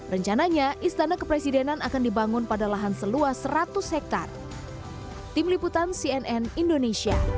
rencananya istana kepresidenan akan dibangun pada lahan seluas seratus hektare